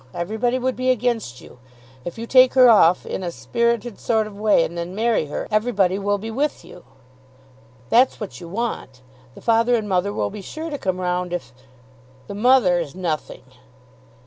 Everybody would be against you. If you take her off in a spirited sort of way and then marry her, everybody will be with you. That's what you want. The father and mother will be sure to come round, if " "The mother is nothing."